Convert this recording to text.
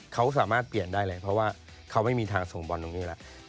เขาสามารถเปลี่ยนได้เลยเพราะว่าเขาไม่มีทางส่งบอลตรงนี้แล้ว